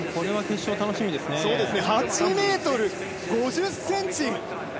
８ｍ５０ｃｍ！